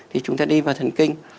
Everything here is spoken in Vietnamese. thì chúng ta đi vào thần kinh